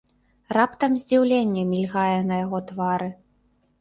Раптам здзіўленне мільгае на яго твары.